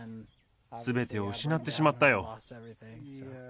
すべてを失ってしまったよ。